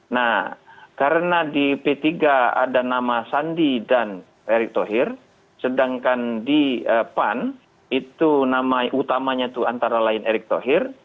nah karena di p tiga ada nama sandi dan erick thohir sedangkan di pan itu nama utamanya itu antara lain erick thohir